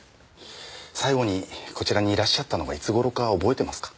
最後にこちらにいらっしゃったのがいつ頃か覚えてますか？